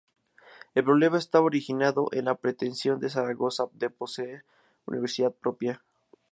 El problema estaba originado en la pretensión de Zaragoza de poseer universidad propia.